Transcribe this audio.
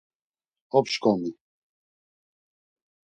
Opşǩomi.